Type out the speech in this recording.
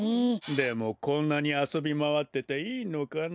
でもこんなにあそびまわってていいのかな。